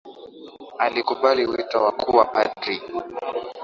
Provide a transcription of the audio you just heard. Alikubali wito wa kuwa padri